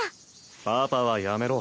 「パパ」はやめろ。